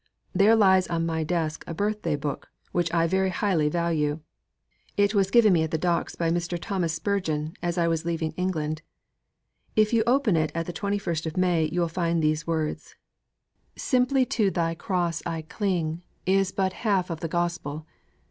There lies on my desk a Birthday Book which I very highly value. It was given me at the docks by Mr. Thomas Spurgeon as I was leaving England. If you open it at the twenty first of May you will find these words: '_"Simply to Thy Cross I cling" is but half of the Gospel.